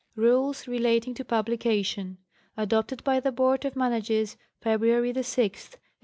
sul RULES RELATING TO PUBLICATION. ADOPTED BY THE Boarp or Manacers FrsRuARY 6, 1891.